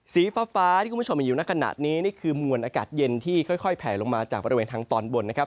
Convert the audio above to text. สีฟ้าที่คุณผู้ชมเห็นอยู่ในขณะนี้นี่คือมวลอากาศเย็นที่ค่อยแผลลงมาจากบริเวณทางตอนบนนะครับ